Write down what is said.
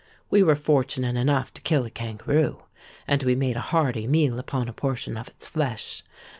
We were fortunate enough to kill a kangaroo; and we made a hearty meal upon a portion of its flesh.